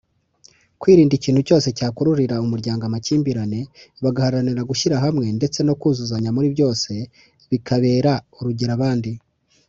Kwirinda ikintu cyose cyakururira umuryango amakimbirane bagaharanira gushyira hamwe ndetse no kuzuzanya muri byose bikabera urugero abandi.